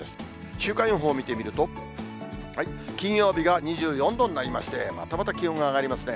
週間予報見てみると、金曜日が２４度になりまして、またまた気温が上がりますね。